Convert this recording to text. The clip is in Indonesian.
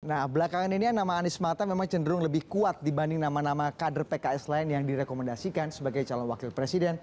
nah belakangan ini nama anies mata memang cenderung lebih kuat dibanding nama nama kader pks lain yang direkomendasikan sebagai calon wakil presiden